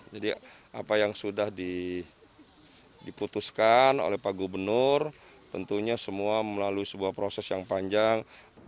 jadi apa yang sudah diputuskan oleh pak gubernur tentunya semua melalui sebuah proses yang panjang